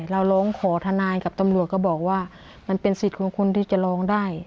ร้องขอทนายกับตำรวจก็บอกว่ามันเป็นสิทธิ์ของคนที่จะร้องได้